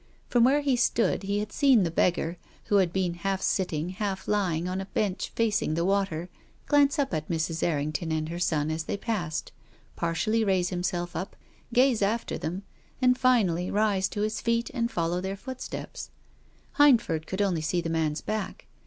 From where he stood he had seen the beggar, who had been half sitting, half lying, on a bench facing the water, glance up at Mrs. Erring ton and her son as they passed, partially raise himself up, gaze after them, and finally rise to his feet and follow their footsteps. Hindford could only see the man's back.